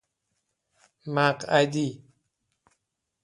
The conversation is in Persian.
مقعدی